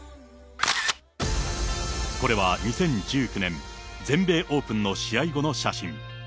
これは２０１９年、全米オープンの試合後の写真。